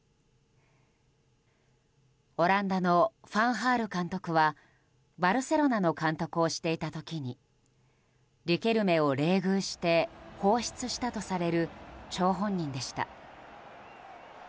ハール監督はバルセロナの監督をしていた時にリケルメを冷遇して放出したとされる張本人でした。